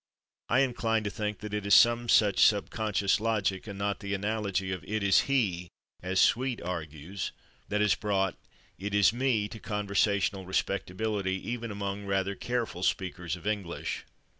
I incline to think that it is some such subconscious logic, and not the analogy of "it is /he/," as Sweet argues, that has brought "it is /me/" to conversational respectability, even among rather careful speakers of English.